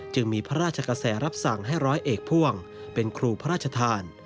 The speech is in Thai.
มีพระราชกระแสรับสั่งให้ร้อยเอกพ่วงเป็นครูพระราชทาน